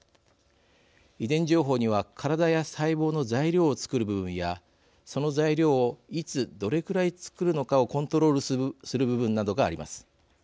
遺伝情報にはからだや細胞の材料を作る部分やその材料をいつ、どれくらい作るのかをコントロールする部分などがあります。